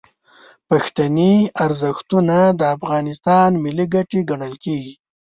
پښتني ارزښتونه د افغانستان ملي ګټې ګڼل کیږي.